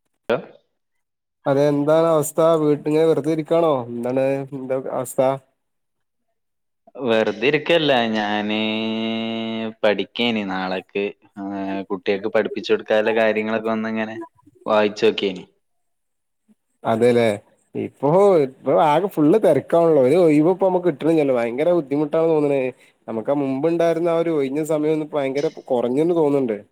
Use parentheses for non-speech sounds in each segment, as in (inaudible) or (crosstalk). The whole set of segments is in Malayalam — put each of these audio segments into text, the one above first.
(inaudible) അതെ എന്താണ് അവസ്ഥ വീട്ടിങ്ങനെ വെറുതെ ഇരിക്കാണോ എന്താണ് എന്താ അവസ്ഥ (inaudible) വെറുതെരിക്കല്ല ഞാന് പഠിക്കനി നാളക്ക് ആഹ് കുട്ടികക്ക് പഠി പ്പിച്ചു കൊടുക്കാനൊള്ള കാര്യങ്ങളൊക്കെ ഒന്ന്ങ്ങനെ വായിച്ചു നോക്കിനി- അതെല്ലേ ഇപ്പൊ ഇപ്പൊ ആകെ ഫുള്ള് തെരക്കാണല്ലോ ഒരു ഒയിവ് ഇപ്പ നമുക്ക് കിട്ടണില്ലല്ലോ ഭ ഭയങ്കര ബുദ്ധിമുട്ടാണ് തോന്നണേ നമുക്ക് ആ മുമ്പ്ണ്ടായിരുന്ന ആ ഒരു ഒഴിഞ്ഞ സമയം കുറഞ്ഞെന്ന് തോന്നുണണ്ട് (inaudible)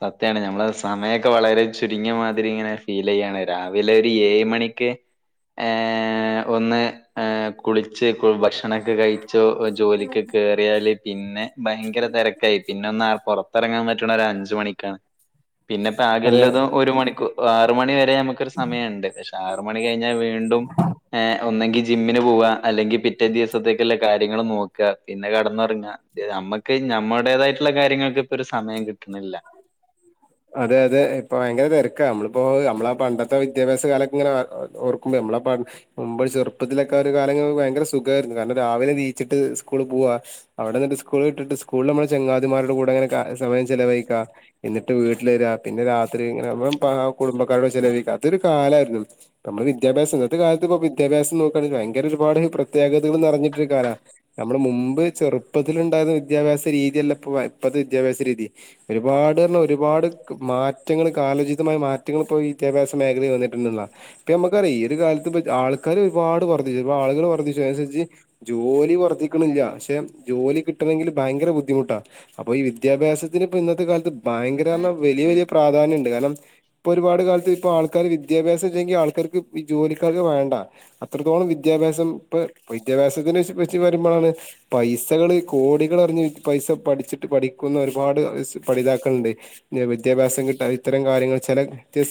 സത്യാണ് നമ്മള സമയൊക്കെ വളരെ ചുരുങ്ങിയ മാതിരി ഇങ്ങനെ ഫീൽ ചെയ്യാണ് രാവിലെ ഒരു ഏയ്‌ മണി ക്ക്‌ ആഹ് ഒന്ന് ആഹ് കുളിച്ച് ഭക്ഷണൊക്കെ കഴി ജോ ജോലിക്ക് കേയറിയാല് പിന്നെ ഭയങ്കര തെരക്കായി പിന്നെ ഒന്ന പൊറ ത്തെറങ്ങാൻ പറ്റണ ഒരഞ്ചു മണിക്കാണ് പിന്നെ അതെ പാകല്ലതും ഒരു മണിക്കു ആറ് മണി വരെ നമുക്കൊരു സമയൊണ്ട് പക്ഷെ ആറ് മണി കഴിഞ്ഞാ വീണ്ടും ഏ ഒന്നെങ്കിൽ ജിമ്മിന് പോവാ അല്ലെങ്കിൽ പിറ്റേ ദിവസത്തേക്കെള്ള കാര്യ കാര്യങ്ങള് നോക്ക പിന്നെ കെടന്നൊറങ്ങ നമ്മക്ക് ഞമ്മളുടേതായിട്ടുള്ള കാര്യങ്ങൾക്ക് ഒരു സമയം കിട്ടണില്ല അതെ അതെ ഇപ്പ ഭയങ്കര തിരക്കാ നമ്മളിപ്പോ നമ്മളാ പണ്ടത്തെ വിദ്യാഭ്യാസ കാലക്കെ ഇങ്ങനെ ഓർക്കുമ്പോ ആ പണ്ട് നമ്മളെ മുമ്പ് ചെറുപ്പത്തിലൊക്കെ ഒരു കാല ഭയങ്കര സുഖമായിരുന്നു കാരണം രാവിലെ ണീച്ചിട്ട് സ്കൂള് പോവാ അവിടെ നിന്നിട്ട് സ്കൂളിട്ടിട്ട് സ്കൂളിൽ നമ്മള് ചങ്ങാതിമാരുടെ കൂടെ അങ്ങനെ സമയം ചിലവഴിക്കാ എന്നിട്ട് വീട്ടില് വര്യാ പിന്നെ രാത്രി ഇങ്ങനെ ഇപ്പ ആ കുടുംബക്കാരോട് ചെലവഴിക്കാ അതൊരു കാലാരുന്നു നമ്മള് വിദ്യ ഇന്നത്തെ കാലത്ത് ഇപ്പോ വിദ്യാഭ്യാസം നോക്കയാണെങ്കി ഭയങ്കര ഒരുപാട് പ്രത്യേകതകള് നെറഞ്ഞിട്ടൊരു കാലാ നമ്മള് മും മ്പ് ചെറുപ്പത്തില് ണ്ടായിരുന്ന വിദ്യാഭ്യാസ രീതിയല്ല ഇപ്പ ഇപ്പത്തെ വിദ്യാഭ്യാസ രീതി ഒരുപാട് ള്ള ഒര് പാട് മാറ്റങ്ങള് കാലോചിതമായ മാറ്റങ്ങള് ഇപ്പൊ വിദ്യാഭ്യാസ മേഖലയിൽ വന്നിട്ടുണ്ട്‌ള്ള ഇപ്പൊ നമ്മുക്കറിയാം ഈ ഒരു കാലത്ത് ഇപ്പ ആള്ക്കാര് ഒരുപാട് വർദ്ധിച്ചു ആളുകള് വർദ്ധിച്ചു അനുസരിച്ച് ജോലി വർദ്ധിക്കണില്ല പക്ഷെ ജോലി കിട്ടണെങ്കില് ഭയങ്കര ബുദ്ധിമുട്ടാ അപ്പൊ ഈ വിദ്യാഭ്യാസത്തിന് ഇപ്പ ഇന്നത്തെ കാലത്ത് ഭയങ്ക കാരണം വെലിയ വെലിയ പ്രാധാന്യണ്ട് കാരണം ഇപ്പൊരുപാട് കാലത്ത് ഇപ്പ ആൾക്കാര് വിദ്യാഭ്യസ ഇല്ലെങ്കിൽ ആൾക്കാർക്ക് വി ജോലിക്കാർക്ക് വേണ്ട അത്രത്തോളം വിദ്യാഭ്യാസം ഇപ്പൊ വിദ്യാഭ്യാസത്തിന് വച്ച് വച്ച് വരുമ്പോഴാണ് പൈസകള് കോടികളറിഞ്ഞ് പൈസ പഠിച്ചിട്ട് പഠിക്കുന്ന ഒരുപാട് എസ് പഠിതാക്കള്ണ്ട് ഞ് വിദ്യാഭ്യാസം കിട്ട ഇത്തരം കാര്യങ്ങൾ ചിലത് ത്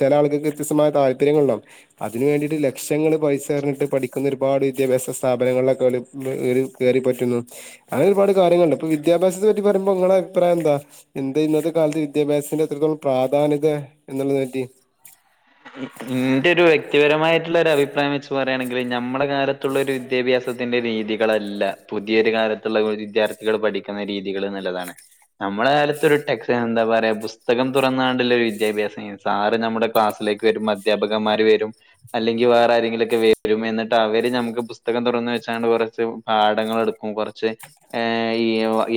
ചെലേ ആള്കക്ക് ത്യസ്തമായ താല്പര്യങ്ങളുണ്ടാവും അത് തിന് വേണ്ടീട്ട് ലക്ഷങ്ങള് പൈസയെറിഞ്ഞിട്ട് പഠിക്കുന്ന ഒരുപാട് വിദ്യാഭ്യാസ സ്ഥാപനങ്ങളിലൊക്കെ ഓല് (unintelligible) കേറി പ റ്റുന്നു അങ് ഒരുപാട് കാര്യങ്ങള്ണ്ട് പ്പൊ വിദ്യാഭ്യാസത്തെ പറ്റി പറയ്മ്പോ ങ്ങളെ അഭിപ്രായം എന്താ എന്തേന്നത്തെ കാൽത്ത് വിദ്യാഭ്യാസ്ത്തിന്റെ എത്രത്തോളം പ്രാധാന്യത ന്നുള്ളതിനെറ്റി ഉം ഇന്റെ ഒരു വ്യ ക്തിപരമായിട്ടുള്ള ഒരു അഭിപ്രായം വെച്ച് പറയാണെങ്കിൽ ഞമ്മടെ കാലത്തുള്ള ഒരു വിദ്യാഭ്യാസത്തിന്റെ രീതികളല്ല പുതിയൊരു കാലത്തുള്ള ഓര് വിദ്യാർത്ഥികള് പഠിക്കുന്ന രീതികള് നല്ലതാണ് നമ്മടെ കാലത്ത് ഒരു ടെക്സ് എന്താ പറയാ പുസ്തകം തുറന്നാണ്ടല്ലെ ഒരു വിദ്യാഭ്യാസം സാറ് നമ്മുടെ ക്ലാസിലേക്ക് വരും അധ്യാപകന്മാര് വരും അല്ലെങ്കിൽ വേറെ ആരെങ്കിലൊക്കെ വരും എന്നിട്ട് അവര്ഞമക്ക് പുസ്തകം തുറന്ന് വെ ച്ചാണ് കുറച്ച് പാഠങ്ങളെടുക്കും കുറച്ച് ഏ ഈ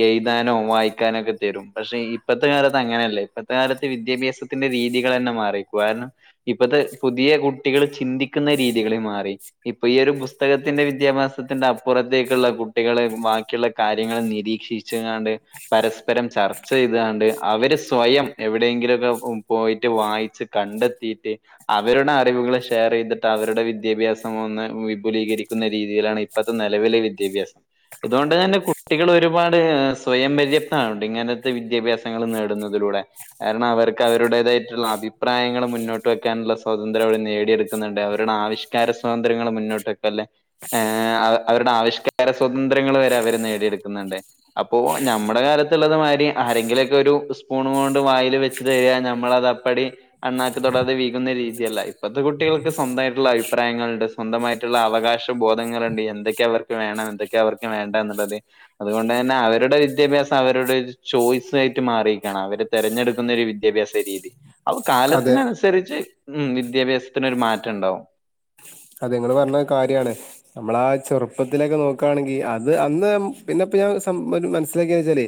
എയുതാനോ വായിക്കാനൊക്കെ താ തരും പക്ഷെ ഇപ്പത്തെ കാലത്ത് അങ്ങനെയല്ല ഇപ്പത്തെ കാലത്ത് വിദ്യാഭ്യാസത്തിന്റെ രീതികള്ന്നെ മാറി കാരണം ഇപ്പത്തെ പുതിയ കുട്ടികള് ചിന്തിക്കുന്ന രീതികളേ മാറി ഇപ്പൊ ഈ ഒരു പുസ്തകത്തിന്റെ വിദ്യാഭ്യാസ ത്തിന്റെ അപ്പുറത്തേക്കുള്ള കുട്ടികളേ ബാക്കിയുള്ള കാര്യങ്ങള് നിരീക്ഷിച്ചിങ്ങാണ്ട് പരസ്പരം ച ചർച്ച ചെയതാണ്ട് അവര് സ്വയം എവിടെയെങ്കിലുക്കെ പോയിട്ട് വായിച്ച് കണ്ടെത്തിയിട്ട് അവരുടെ അറിവുകൾ ഷെയറെയ്തിട്ട് അവരുടെ വിദ്യാഭ്യാസം ഒന്ന് വിപുലീകരിക്കുന്ന രീതിയിലാണ് ഇപ്പ അത് നെലവിലെ വിദ്യാഭ്യാസം ഇതുകൊണ്ട് തന്നെ കുട്ടികൾ ഒരുപാട് സ്വയം പര്യാപ്താവ്ണ്ട് ഇങ്ങനത്തെ വിദ്യാഭ്യാസങ്ങൾ നേടുന്നതിലും കാരണം അവർക്ക് അവരുടേതായിട്ടുള്ള അഭിപ്രായങ്ങൾ മുന്നോട്ട് ട്ട് വെക്കാനുള്ള സ്വാതന്ത്ര്യ അവര് നേടിയെടുക്കുന്നുണ്ട് അവരുടെ ആവിഷ്കാര സ്വാതന്ത്ര്യങ്ങള് മുന്നോട്ട് വക്ക അല്ലേ അവരുടെ ആവിഷ്കാര സ്വാതന്ത്രയങ്ങൾ വരെ അവര് നേടിയെട്ക്ക്ന്ന്ണ്ട് അപ്പോ ഞമ്മടെ ക്കത്ത്ള്ളത് മായിരി ആരെങ്കിലെക്കെ ഒരു സ്പൂൺകൊണ്ട് വായിൽ വെച്ച്തര ഞമ്മളത് അപ്പടി അണ്ണാക്ക് തൊടാതെ വിഴുങ്ങുന്ന രീതിയല്ല ഇപ്പത്തെ കുട്ടികൾക്ക് സ്വന്തായിട്ട്ള്ള അഴിപ്രായങ്ങള്ണ്ട് സ്വന്തമായിട്ട്ള്ള അവകാശ ബോധ ഇങ്ങറണ്ടി എന്തൊക്കെ അവർക്ക് വേണം എന്തൊക്കെ അവർക്ക് വേണ്ട എന്നുള്ളത് അതുകൊണ്ട്ന്നെ അവരുടെ വിദ്യാഭ്യാസം അവരുടെ വ്ടൊരു ചോയ്സ്ആയിട്ട് മാറീക്കാണ് അവര് തെരഞ്ഞെടുക്കുന്ന ഒരു വിദ്യാഭ്യാസ രീതി അപ്പൊ അതെ. കാലത്തിനനുസരിച്ച് ഉം വിദ്യാഭ്യാസത്തിനൊരു മാറ്റംണ്ടാവും അതെ ഇങ്ങള് പറഞ്ഞത് കാര്യണ് അമ്മളാ ചെറുപ്പത്തിലൊക്കെ നോക്ക് ആണെങ്കിൽ അത് അന്ന് പിന്നെ ഇപ്പം ഞാൻ സം മനസ്സിലാക്കിച്ചാലേ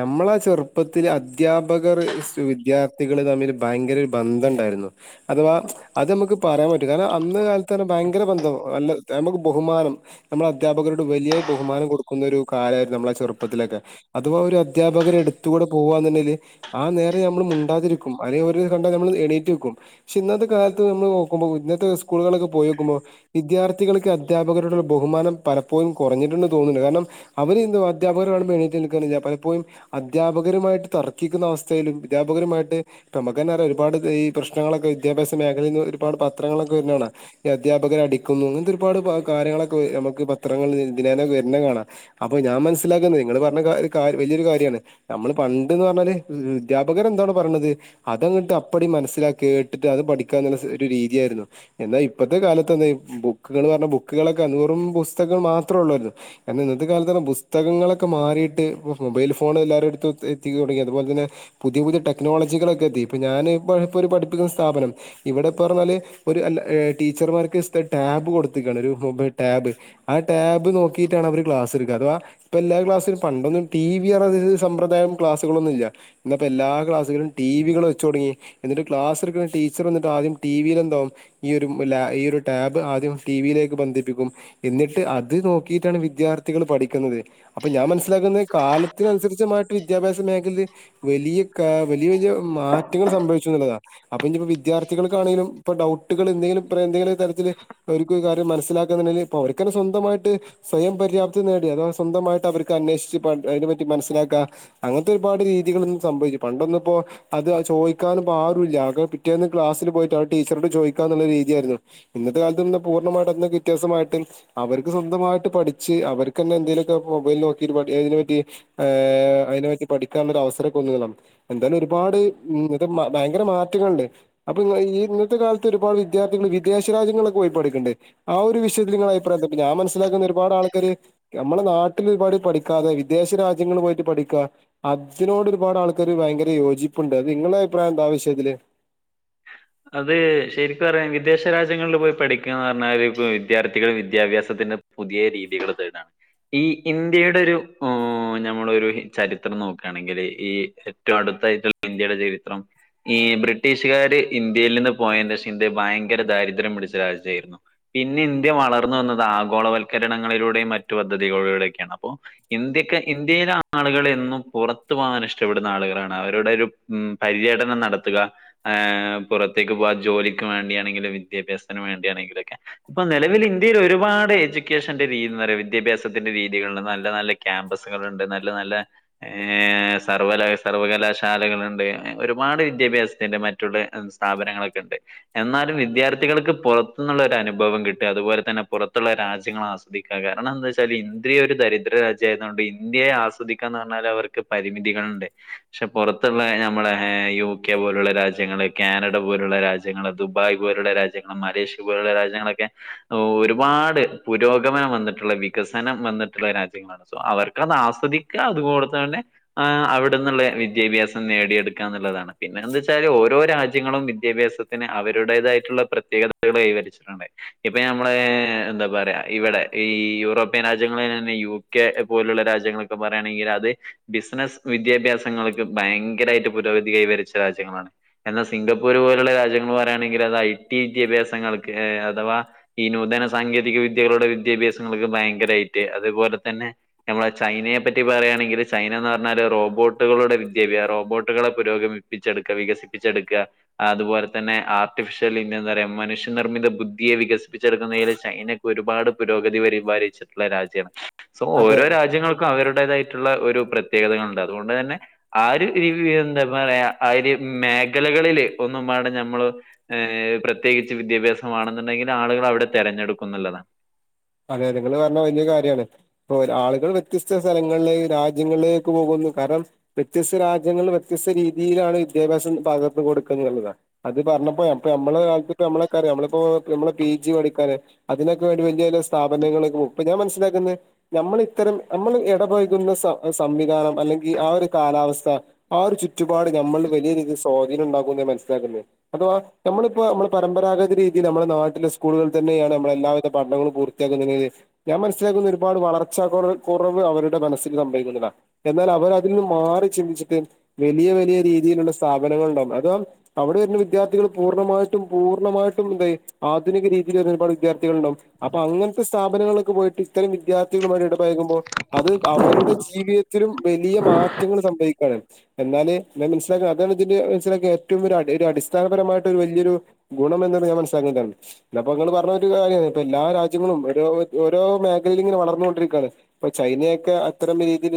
നമ്മളെ ചെറുപ്പത്തിൽ അ അധ്യാപകർ സ് വിദ്യാർ തികൾ തമ്മില് ഭയങ്കര ഒരു ബന്ധണ്ടായിരുന്നു അഥവാ അത് നമക്ക് പറയാൻ പറ്റും കാരണം അന്ന് കാല ത്തറെ ഭയങ്കര ബന്ധം അല്ല അമ്മക്ക് ബഹുമാനം നമ്മുടെ അധ്യാപകരോട് വലിയ ബഹുമാനം കൊടുക്കുന്നൊരു കാ അതായത് നമ്മളെ ചെറുപ്പത്തിെലെക്കെ അഥവാ ഒര് അധ്യാപകര് എടുത്തൂടെ പോവാന്ന്ണ്ടെൽ ആ നേരെ ഞമ്മൾ മു ട്ടാതിരിക്കും ആരെ ഒര്കണ്ടാ ഞമ്മള് എണീറ്റ്ക്കും പക്ഷെ ഇന്നത്തെ കാലത്ത് നമ്മൾ നോക്കുമ്പോ ഇന്നത്തെ സ്കൂളുകളൊക്ക പോയോക്കുമ്പോ വിദ്യാർത്ഥികൾക്ക് അധ്യാപകരോടുള്ള ബഹുമാനം പലപ്പോഴും കുറഞ്ഞിട്ടുണ്ട് തോന്ന്ണ്ട് കാരണം അവ അവരിന്ത് വധ്യാപകര് കാണുമ്പോ എണീറ്റ് നിൽക്ക്ണില്ല പലപ്പോയും അധ്യാപകരുമായിട്ട് തർക്കിക്കുന്ന അവസ്ഥയിലും അധ്യാപകരും മായിട്ട് ഇപ്പമ്മക്കെന്നെ അറയ ഒരുപാട് ഇത് ഈ പ്രശ്നങ്ങളൊക്കെ വിദ്യാഭ്യാസ മേഖലയിൽന്ന് ഒരുപാട് പത്രങ്ങളൊക്കെ വെര്ണെ കാണാം ഈ അധ്യാപകര അടിക്കുന്നുന്ന് ഇന്തൊരുപാട്പ്പ കാര്യങ്ങളൊക്കെ അമ്മക്ക് പത്രങ്ങൾ ദിനേനെ വെര്ണത് കാണാം അപ്പൊ ഞാൻ മനസ്സിലാക്കുന്നത് ഇങ്ങള് പറഞ്ഞ ക വല്ല്യരു കാര്യാണ് അമ്മള് പണ്ട്ന്ന് പറഞ്ഞാല് ധ്യാപകര് എന്തണോ പ പെണ്ണത് അതങ്ങട്ട് അപ്പടി മനസ്സിലാ കേട്ടിട്ട് അത് പഠിക്കാന്ന്ള്ള ഒര് രീതിയായിരുന്നു എന്നാ ഇ ഇപ്പത്തെ കാലത്തെന്തെ ബുക്കുകൾ പറഞ്ഞ ബുക്കുകളൊക്കെ വെറും പുസ്തകങ്ങൾ മാത്രേ ഉള്ളല്ലോ എന്നാ ഇന്നത്തെ കാലത്ത് പുസ്തകങ്ങളൊക്കെ മാറിയിട്ട് മൊബൈൽ ഫോൺ എല്ലാരെടുത്തു എത്തിതൊടങ്ങി അതുപോലെതന്നെ പുതിയ പുതിയ ട്ടക്ക് ക്നോളജികളൊക്കെ എത്തി ഇപ്പോ ഞാൻ ഇപ്പോ ഒരു പഠിപ്പിക്കുന്ന സ്ഥാപനം ഇവിടെപ്പ പറഞ്ഞാല്‌ ഒര് അല്ല ടീച്ചർമാർക്ക് ഇഷ്ട ടാബ് കൊടുത്തിക്കാണ് ഒരു മൊബൈ ടാബ് ആ ടാബ് നോക്കിട്ടാണ് അവര് ക്ലാസ് എടുക്ക അഥവാ ഇപ്പൊ എല്ലാ ക്ലാസിലും പണ്ടൊന്നും ടി വി അറഞ്ഞ സമ്പ്രദായം ക്ലാസുകളൊന്നും ഇല്ല ഇന്ന്പ്പോ എല്ലാ ക്ലാ ക്ലാസ് കൾ ടി വി കൾ വെച്ച്തൊടങ്ങി എന്നിട്ട് ക്ലസെട്ക്ക്ണ ടീച്ചർവന്ന്ട്ട് ആദ്യം ടി വിൽ എന്താവും ഈ ഒര് ഡു മ്‌ല ഈ ഒര് ടാബ് ആദ്യം ടി വിലേക്ക് ബന്ധിപ്പിക്കും എന്നിട്ട് അത് നോക്കിയിട്ടാണ് വിദ്യാർഥികൾ പഠിക്കുന്നത് അപ്പൊ ഞാൻ മനസ്സിലാക്കുന്നത് കാലത്തിനനുസരിച്ച്മായിട്ട് വിദ്യാഭ്യാസ മേഖലൽ വെലിയ ഭവിക്ക വലിയ വലിയ മാറ്റങ്ങൾ സംഭവിച്ചുന്നുള്ളതാ അപ്പ ഇഞ്പ്പ വിദ്യാർത്ഥികൾക്കാണെലും ഇപ്പം ഡൗട്ട് കൾ എന്തെങ്കിലും ഇപ്ര എന്തെങ്കിലു ഒരു തരത്തിൽ ഒര്ക്ക് ഒരു കാര്യം മനസ്സിലക്കന്ന്ണ്ടേല് ഇപ്പോ ഓര്കെന്നെ സ്വന്തമായിട്ട് സ്വയം പര്യ പ്രാപ്തിനേടി അത സ്വന്തമായിട്ട് അവര്ക്ക് അന്വേഷിച്ച് അയിനെ പറ്റി മനസ്സിലാക്ക അങ്ങൻത്തെ ഒരുപാട് രീതികൾ ഇന്ന് സ പണ്ടൊന്നുപ്പോ അത് അഹ് ചോയിക്കാനും പാരൂല്ല അഒക്കെ പിറ്റേന്ന് ക്ലാസില് പോയിട്ട് ആ ടീച്ചറൊട് ചോയി ത്തന്ളൊര് രീതിയായിരുന്നു ഇന്നത്തെ കാലത്ത്ന്ന് പൂർണ്ണമായിട്ട് എന്തെങ്കി വ്യത്യാസമായിട്ട് അവർക്ക് സ്വന്തമായിട്ട് പഠിച്ച് അവര്ക്ക്ന്നെ എന്തെിലു ഒക്കെ മൊബൈൽ നോക്കി അതിനെ പറ്റി എയ്നെപറ്റി അതിനെ പറ്റി പഠിക്കാനുള്ളൊ അവസരൊക്കെന്ന് എന്താലും ഒരുപാട് ഭയങ്കര മാറ്റങ്ങള്ണ്ട് അപ്പൊ ഈ ഇന്നത്തെ കാല ഇപ്പ ഒരുപാട് വിദ്യാത്ഥികൾ വിദേശ്യ രാജ്യങ്ങളൊക്കെ പോയി പഠിക്ക്ണ്ട് ആ ഒരു വിഷയത്തില് ഇങ്ങളെ അഭിപ്രായം എന്ത ഞാൻ മനസിലാക്കുന്ന ഒരുപാടാൾ മ്മക്കൊര് ഞമ്മളെ നാട്ടില് ഒരുപാട് പഠിക്കാതെ വിദേശ രാജ്യങ്ങളിൽ പോയിട്ട് പഠിക്കാ അതിനോട് ഒര് ഒരുപാട് ആൾക്കാര് ഭയങ്കര യോജിപ്പ്ണ്ട് അത് ഇങ്ങളെ അഭിപ്രായം എന്ത ആവിഷയത്തില് അത് ശരിക്ക് പറയാണങ്കി വിദേശ രാജ്യങ്ങളിൽ പോയി പഠിക്കാന്ന് പറഞ്ഞാല് ഇപ്പം വിദ്യാർത്ഥികള് വിദ്യാഭ്യാസം പിന്നെ പുതിയെ രീതികള് തേട്ആണ് ഈ ഇന്ത്യയുടെ ഒരു ഞമ്മെളഒരു ചരിത്രം നോക്ക്ണെങ്കിൽ ഈ ഏറ്റവും അടു അത്തായിത്തൽ ഇന്ത്യയുടെ ചരിത്രം ഈ ബ്രിട്ടീഷ്‌ക്കാര് ഇന്ത്യയിൽ നിന്ന് പോയേന്റെശേഷം ഇന്ത്യ ഭയങ്കര ദാരിദ്ര്യം പിടിച്ച രാജ്യായിരുന്നു പിന്നെ ഇന്ത്യ വളർന്നുവന്നത ആഗോളവൽക്കരണങ്ങളിലൂടെയും മറ്റു പദ്ധതികളിലൂടെയൊക്കെയാണ് അപ്പോ ഇന്ത്യക്ക് ഇന്ത്യയിലെ ആളുകൾ എന്നും പുറത്തു പോകാൻ ഇഷ്ടപ്പെടുന്ന ആളുകളാണ് അവരുടെ ഒരു പര്യടനം നടത്തുക എ പുറത്തേക്ക് പോവാൻ ജോലിക്ക് വേണ്ടിയാണെങ്കിലും വിദ്യാഭ്യാസത്തിന് വേണ്ടിയാണെങ്കിലുംക്കെ ഇപ്പൊ നിലവിൽ ഇന്ത്യയിൽ ഒരുപാട് ന്യൂ എജ്യൂക്കേഷന്റെ രീതി പറയ വിദ്യാഭ്യാസത്തിന്റെ രീതികള് നല്ല നല്ല ക്യാമ്പസുകളുണ്ട് നല്ല നല്ല ഏ സർവല സർവകലാശാലകളുണ്ട് ഒരുപാട് വിദ്യാഭ്യാസണ്ട് മറ്റുള്ള സ്ഥാപനങ്ങളൊക്കെ ഉണ്ട് എന്നാലും വിദ്യാർത്ഥികൾക്ക് പുറത്തുനിള്ളൊരു അനുഭവം കിട്ടും അതുപോലെ തന്നെ പുറത്തുള്ള രാജ്യങ്ങൾ ആസ്വദിക്കുക കാരണം എന്താ വെച്ചാൽ ഇന്റെ ഒരു ദരിദ്ര രാജ്യയതോണ്ട് ഇന്ത്യയെ ആസ്വദിക്കന്ന് പറഞ്ഞാൽ അവർ അവർക്കു പരിമിതികളുണ്ട് പക്ഷെ പുറത്തുള്ള നമ്മളെ യു കെ പോലുള്ള രാജ്യങ്ങളെ കാനഡ പോലുള്ള രാജ്യങ്ങള് ദുബായ് പോലുള്ള രാജ്യങ്ങള് മലേഷ്യ പോലുള്ള രാജ്യങ്ങളൊക്കെ ഒരുപാട് പുരോഗമനം വന്നിട്ടുള്ള വികസനം വന്നിട്ടുള്ള രാജ്യങ്ങളാണ് അവർക്കത് ആസ്വദിക്കുക അതു എന്താണ് അവിടെന്നുള്ള വിദ്യാഭ്യാസം നേടിയെടുക്കുക എന്നുള്ളതാണ് പിന്നെ എന്തെച്ചാൽ ഓരോ രാജ്യങ്ങളും മിഥ്യ ങ്ങ ളും വിദ്യാഭ്യാസത്തിന് അവരുടേതായിട്ടുള്ള പ്രത്യേകതകൾ കൈവരിച്ചിട്ടുണ്ട് ഇപ്പൊ നമ്മള എന്താ പറയ ഇവിടെ ഈ യൂറോപ്യൻ രാജ്യങ്ങൾ തന്നെ യു കെ പോലുള്ള രാജ്യങ്ങളൊക്കെ പറയുകയാണെങ്കിൽ അത് ബിസിനസ് വിദ്യാഭ്യാസങ്ങൾക്ക് ഭയങ്കരയിട്ട് പുരോഗതി കൈവരിച്ച രാജ്യങ്ങളാണ് എന്നാ സിംഗപ്പൂർ പോലുള്ള രാജ്യങ്ങൾ പറയുകയാണെങ്കിൽ അത് ഐ ടി വിദ്യാഭ്യാസങ്ങൾക്ക് അഥവാ ഈ നൂതന സ സാങ്കേതിക വിദ്യകളുടെ വിദ്യാഭ്യാസങ്ങൾ ഭയങ്കരയിട്ട് അതുപോലെ തന്നെ നമ്മളെ ചൈനയെ പറ്റി പറയുകയാണെങ്കി ചൈന എന്ന് പറഞ്ഞാൽ റോബോട്ടുകളുടെ വിദ്യാഭിയ റോബോട്ടുകളെ പുരോഗമിപ്പിച്ചെടുക്കുക വികസിപ്പിച്ചെടുക്കുക അതുപോലെ തന്നെ ആർട്ടിഫിഷ്യൽ ഇന്ത്യ എന്താ പറയാ മനുഷ്യനിർമ്മിത ബുദ്ധിയെ വികസിപ്പിച്ചെടുക്കുന്നതി ചൈനക്ക് ഒരുപാട് പുരോഗതി പരിപാലിച്ചിട്ടുള്ള രാജ്യം സോ ഓരോ രാജ്യങ്ങൾക്കും അവരുടെ അവര്തായിട്ടുള്ള ഒരു പ്രത്യേകതകൾ ഉണ്ട് അതുകൊണ്ട് തന്നെ ആ ഒരു എന്താ പറയാ ആ മേഖലകളിൽ ഒന്നുവേ ണ്ടാ നമ്മൾ ഹ് പ്രത്യേകിച്ച് വിദ്യാഭ്യാസംമാണെന്നുണ്ടെങ്കിൽ ആളുകൾ അവിടെ തെര ടുക്കുന്നുല്ലതാണ് അതെ നിങ്ങള് പറഞ്ഞ വലിയ കാര്യണ് അപ്പോ ആളുകൾ വ്യത്യസ്ത സ്ഥലങ്ങളില് രാജ്യങ്ങളില് പോകുന്ന കാരണം വ്യത്യസ്ത രാജ്യങ്ങൾ വ്യത്യസ്ത രീതിയിലാണ് വിദ്യാഭ്യാസം പകർന്ന് കൊടുക്ക എന്നുള്ളതാണ് ഇത് പറഞ്ഞപ്പ മ്മളെ കാലത്ത് നമ്മളക്കറിയാം നമ്മളിപ്പോ നമ്മള് പി ജി പഠിക്കാനായിട്ട് അതിനൊക്കെ ഒരു വേണ്ടി വല സ്ഥാപനങ്ങൾ ഇപ്പ ഞാൻ മനസ്സിലാക്കുന്നത് നമ്മൾ ഇത്തരം നമ്മൾ ഇടപഴകുന്ന സംവിധാനം അല്ല ഇ ആ ഒരു കാലാവസ്ഥ ആ ഒരു ചുറ്റുപാട് നമ്മൾ വലിയ രീതിയിൽ സ്വാധീനം ഉണ്ടാകും ന്ന് മനസ്സിലാക്കുന്നെ അഥവാ നമ്മളിപ്പോ നമ്മള പരമ്പരാഗത രീതിൽ നമ്മുടെ നാട്ടിലെ സ്കൂളുകളിൽ തന്നെയാണ് നമ്മള എല്ലാവിധ പഠനങ്ങളും പൂർണ ഞാൻ മനസ്സിലാക്കുന്നത് ഒരുപാട് വളർച്ച കുറവ് അവരുടെ മനസ്സിൽ സംഭവിക്കുന്നതാണ് എന്നാൽ അവർതിന്ന് മാറി ചിന്തിച്ചിട്ട് വലിയ വലിയ രീതിയിലുള്ള സ്ഥാപനങ്ങൾ ഉണ്ടാകാ അഥവാ അവിടെ വരുന്ന വിദ്യാ വിദ്യാർത്ഥികൾ പൂർണ്ണമായിട്ടും പൂർണ്ണമായിട്ടും എന്ത ആധുനിക രീതിയില ഒരുപാട് വിദ്യാർത്ഥികൾ ഉണ്ടാവും അപ്പൊ അങ്ങനെ സ്ഥാപനങ്ങളിലൊക്കെ പോയിട്ട് ഇത്തരം വിദ്യാർത്ഥികളുമായി ഇടപഴകുമ്പോൾ അത് അവരുടെ ജീവിതത്തിലും വലിയ മാറ്റങ്ങൾ സംഭവിക്കാണ് എന്നാല് ഞാൻ മനസ്സിലാക്ക അതാണ് ഇതിന്റെ മനസിലകിയ ഏറ്റവും അടിസ്ഥാന മായിട്ട് ഒരു വലിയൊരു ഗുണം എന്ന്ത് ഞാൻ മനസിലാക്കുന്നതാണ് ങ്ങള് പറഞ്ഞ കാര്യമാണ് എല്ലാ രാജ്യ ഓരോ മേഖലയിൽ ഇങ്ങനെ വളർന്നൊണ്ടിരിക്കയാണ് ചൈനയൊക്കെ അത്തരും റീ തി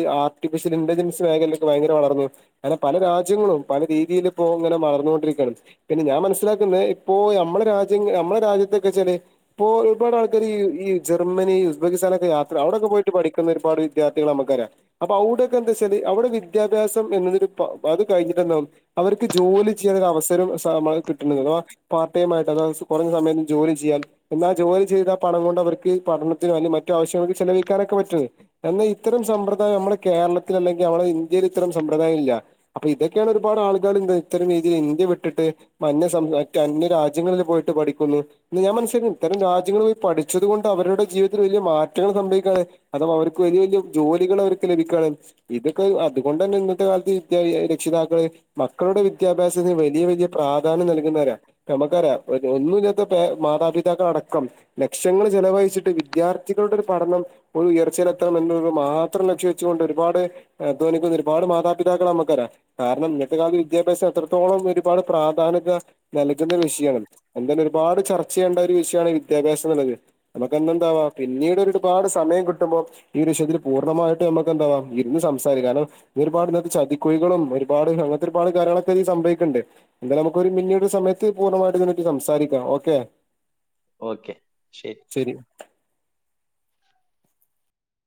സ്യൽ ഇന്റലിൻസ്‌ മേഖലൊക്കെ ഭയങ്കര വളന്നു അനെ പല രാജ്യങ്ങളും പല രീതിയിയിലിപ്പോ ഇങ്ങനെ വളന്നൊണ്ടിരിക്കുകയാണ് പിന്നെ ഞാൻ മനസ്സിലാക്കുന്നെ ഇപ്പോ നമ്മുടെ രാജ്യം നമ്മളുടെ രാജ്യത്തൊക് ചേലെ ഇപ്പോ ഒരുപാട് ആൾക്ക ഈ ജർമ്മനി ഉസ്ബെക്കിസ്ഥാനൻൊക്കെ യാത്ര അവിടെൊക്കെ പോയിട്ട് പഠിക്കുന്ന ഒരുപാട് വിദ്യാർത്ഥികളെ നമുക്കറിയാം അപ്പൊ എന്താച്ചാല് അവിടെ വിദ്യാഭ്യസം എന്നൊരു അത് കഴിഞ്ഞട്ടാവും അവക്ക് ജോലി ചെയ്യാ അവസരം സമയ കിട്ടുന്നുണ്ട്അ പാർട്ടിമൈറ്റ് അതവാ കുറഞ്ഞ സമയത്ത് ജോലി ചെയ്യാൽ എന്നാൽ ജോലി ചെയ്ത പണം കൊണ്ട് അവർക്ക് പഠനത്തിനും അല്ലെങ്കി മറ്റു ആവശ്യങ്ങൾക്ക് ചെലവഴിക്കാനൊക്കെ പറ്റുന്നത് എന്നാൽ ഇത്തരം സമ്പ്രദായം നമ്മകേരള കേരളത്തിൽ അല്ലെങ്കിൽ അവിടെ ഇന്ത്യയിൽ ഇത്തരം സമ്പ്രദായം ഇല്ലാ അപ്പൊ ഇതൊക്കെയാണ് ഒരുപാട് ആുകൾ ഇത്തരം രീതിയിൽ ഇന്ത്യ ട്ട് അന്യ രാജ്യങ്ങളിൽ പോയിട്ട് പഠിക്കുന്നു ഞാൻ മനസിലകനെ ഇത്തരം രാജ്യങ്ങള പഠിച്ചതുകൊണ്ട് അവരുടെ ജീവിതത്തിൽ വലിയ മാറ്റങ്ങൾ സംഭവിക്കാതെ അതവ അവർക്ക് വലിയ വലിയ ജോലികൾ അവർക്ക് ലഭിക്കാൻ ഇതൊക്കെ അതുകൊണ്ട് തന്നെ ഇന്നത്തെ കാലത്ത് മിക്ക രക്ഷിതാക്കള് മക്കളുടെ വിദ്യാഭ്യസത്തിന് വലിയ വലിയ വലിയ പ്രാധാന്യം നൽകുന്നവരാ നമ്മക്കറിയാം ഒന്നും ഇല്ലത്തെ മാതാപിതാക്കളടക്കം ലക്ഷങ്ങൾ ചെലവഴിച്ചിട്ട് വിദ്യാർത്ഥികളുടെ ഒരു പഠനം ഒരു ഉയർച്ചയിലെത്തണം എന്നുള്ളത് മാത്രം ലക്ഷ്യം വെച്ചുകൊണ്ട് ഒരുപാട് (unintelligible) ഒരുപാട് മാതാപിതാക്കൾ നമുക്ക്റിയാം കാരണം ഇന്നത്തെ കാലത്ത് വിദ്യാഭ്യാസം എത്രത്തോളം ഒരുപാട് പ്രാധാന്യത നൽകുന്ന ഒരു വിഷയണ് എന്തെ ഒരുപാട് ചർച്ച ചെയ്യേണ്ട ഒരു വിഷയാ ണ് വിദ്യാഭ്യാസ നമുക്ക് എന്താവാ പിന്നീട് ഒരുപാട് സമയം കിട്ടുമ്പോ ഈ വിഷയത്തിൽ പൂർണ്ണമായിട്ട് നമക്ക് എന്താവാം ഇരുന്ന് സംസാരിക്കും കാരണം ഇ ഒരുപാട് ചതിക്കുഴികളും ഒരുപാട് കള്ളത്തരം ഒരുപാട് കാര്യങ്ങളൊക്കെ ഈ സംഭവിക്കണ്ട് എന്തായാലും നമുക്കൊരു ഒരു പിന്നീട് ഒരു സമയത്ത് പൂർണ്ണമായിട്ട് ഇതിനെ പറ്റി സംസാരിക്കണം ഓക്കെ ഓക്കെ ശരി